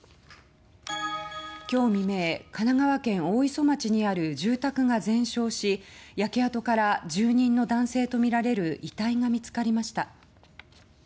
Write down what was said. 今日未明神奈川県大磯町にある住宅が全焼し焼け跡から住人の男性とみられる遺体が見つかりました。